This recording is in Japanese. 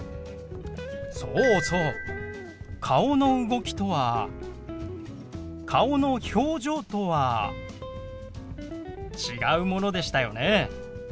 そうそう「顔の動き」とは「顔の表情」とは違うものでしたよね。